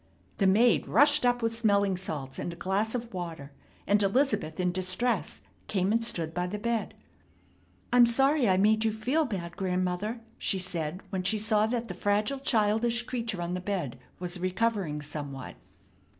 The maid rushed up with smelling salts and a glass of water, and Elizabeth in distress came and stood by the bed. "I'm sorry I made you feel bad, grandmother," she said when she saw that the fragile, childish creature on the bed was recovering somewhat.